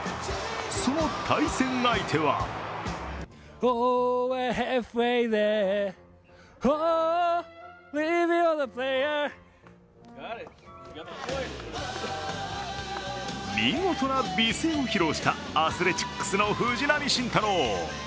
その対戦相手は見事な美声を披露したアスレチックスの藤浪晋太郎。